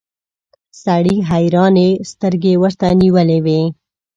سړي حيرانې سترګې ورته نيولې وې.